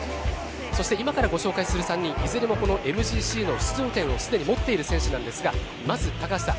そして今からご紹介する３人いずれもこのＭＧＣの出場権をすでに持っている選手なんですがまず、高橋さん